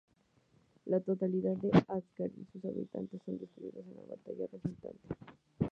La totalidad de Asgard y sus habitantes son destruidos en la batalla resultante.